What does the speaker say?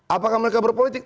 apakah mereka berpolitik